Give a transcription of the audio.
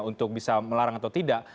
untuk bisa melarang atau tidak